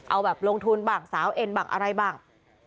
เอาแบบลงทุนบ้างสาวเอ็นบ้างอะไรบ้าง